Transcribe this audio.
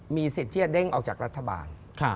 มีสิทธิ์ที่จะเด้งออกจากรัฐบาล